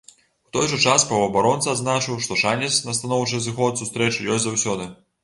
У той жа час паўабаронца адзначыў, што шанец на станоўчы зыход сустрэчы ёсць заўсёды.